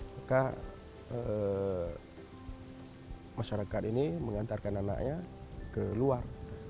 maka masyarakat ini mengantarkan anaknya ke luar